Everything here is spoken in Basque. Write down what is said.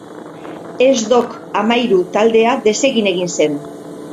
Ez Dok Amairu taldea desegin egin zen.